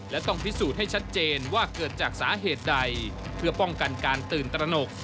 และต้องพิสูจน์ให้ชัดเจนว่าเกิดจากสาเหตุใดเพื่อป้องกันการตื่นตระหนก